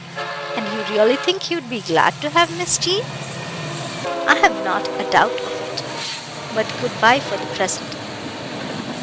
"And you really think he would be glad to have Miss Jean?" "I have not a doubt of it; but good bye for the present.